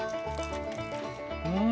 うん！